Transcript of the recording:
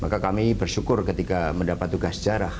maka kami bersyukur ketika mendapat tugas sejarah